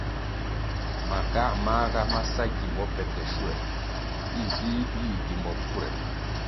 Makā māga ma sa gimbo pe ke schuoē, di vih yih gimbo pfure.